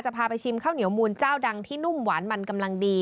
พาไปชิมข้าวเหนียวมูลเจ้าดังที่นุ่มหวานมันกำลังดี